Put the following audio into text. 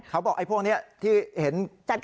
เขาบอกไอ้พวกนี้ที่เห็น